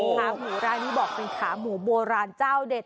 ขาหมูร้านนี้บอกเป็นขาหมูโบราณเจ้าเด็ด